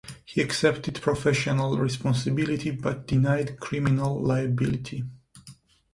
He accepted professional responsibility but denied criminal liability.